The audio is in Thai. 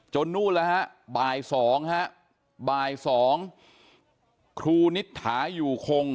นู่นแล้วฮะบ่าย๒ฮะบ่าย๒ครูนิษฐาอยู่คง